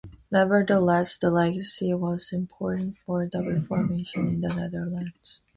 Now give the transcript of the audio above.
Nevertheless, the legacy was important for the reformation in the Netherlands.